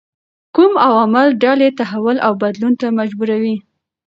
کوم عوامل ډلې تحول او بدلون ته مجبوروي؟